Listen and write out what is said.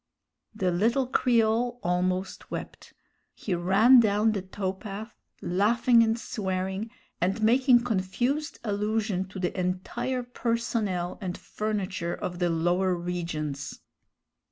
The little Creole almost wept. He ran down the tow path, laughing and swearing, and making confused allusion to the entire personnel and furniture of the lower regions.